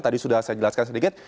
tadi sudah saya jelaskan sedikit